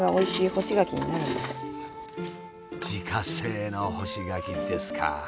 自家製の干し柿ですか。